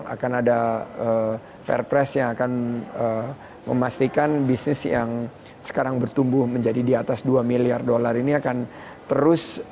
akan ada fair press yang akan memastikan bisnis yang sekarang bertumbuh menjadi di atas dua miliar dolar ini akan terus